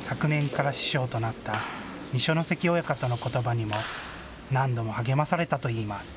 昨年から師匠となった二所ノ関親方のことばにも何度も励まされたといいます。